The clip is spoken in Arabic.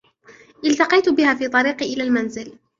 التقيت بها في طريقي إلی المنزل